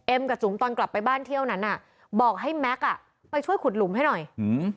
กับจุ๋มตอนกลับไปบ้านเที่ยวนั้นอ่ะบอกให้แม็กซ์อ่ะไปช่วยขุดหลุมให้หน่อยอืม